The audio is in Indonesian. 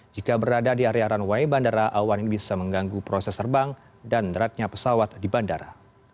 jika berada di area runway bandara awan ini bisa mengganggu proses terbang dan beratnya pesawat di bandara